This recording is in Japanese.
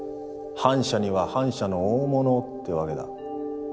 反社には反社の大物をってわけだ。